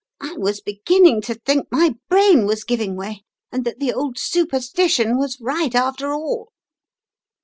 "I was beginning to think my brain was giving way, and that the old superstition was right, after all."